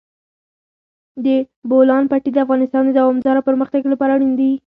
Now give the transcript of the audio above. د بولان پټي د افغانستان د دوامداره پرمختګ لپاره اړین دي.